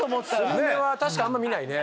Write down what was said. スルメは確かにあんま見ないね。